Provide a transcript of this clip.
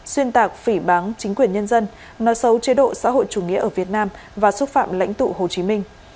xuyên tạc phỉ bán chính quyền nhân dân nói xấu chế độ xã hội chủ nghĩa ở việt nam và xúc phạm lãnh tụ hồ chí minh